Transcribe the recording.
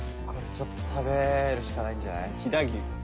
これちょっと食べるしかないんじゃない？